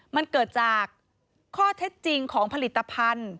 มันเกิดจากข้อเท็จจริงของผลิตภัณฑ์